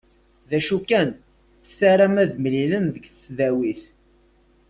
D acu kan tessaram ad mlilen deg tesdawit.